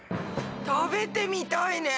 食べてみたいね！